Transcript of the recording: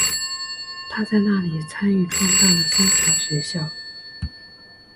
她在那里参与创办了三桥学校。